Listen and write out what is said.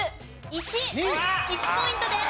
１ポイントです。